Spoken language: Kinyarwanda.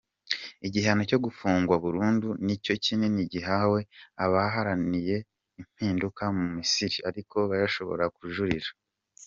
Igihano cyo gufungwa burundu nicyo kinini gihawe abaharaniye impinduka mu Misiri, ariko bashobora kujurira.